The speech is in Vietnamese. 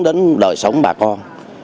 đến đời sống bà con